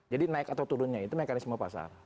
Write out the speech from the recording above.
jadi naik atau turunnya itu mekanisme pasar